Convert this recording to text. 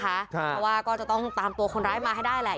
เพราะว่าก็จะต้องตามตัวคนร้ายมาให้ได้แหละ